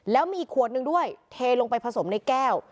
แล้วมีอีกขวดนึงด้วยเทลงไปผสมในแก้ว